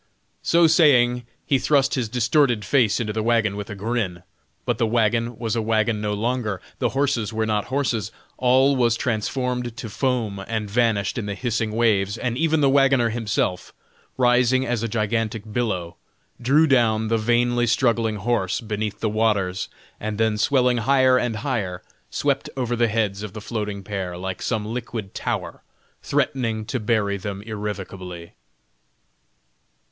So saying, he thrust his distorted face into the wagon with a grin, but the wagon was a wagon no longer, the horses were not horses all was transformed to foam and vanished in the hissing waves, and even the wagoner himself, rising as a gigantic billow, drew down the vainly struggling horse beneath the waters, and then swelling higher and higher, swept over the heads of the floating pair, like some liquid tower, threatening to bury them irrecoverably.